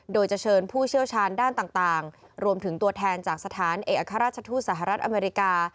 โดยจะเชิญผู้เชี่ยวชาญด้านต่างรวมถึงตัวแทนจากสถานเอกราชทูตสหรัฐอเมริกา